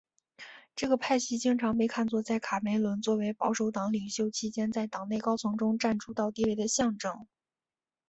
这个派系经常被看作在卡梅伦作为保守党领袖期间在党内高层中占主导地位的象征。